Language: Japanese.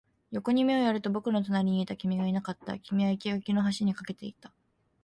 横に目をやると、僕の隣にいた君がいなかった。君は生垣の端に駆けていた。